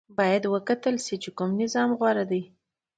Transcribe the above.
باید وکتل شي چې کوم نظام غوره دی.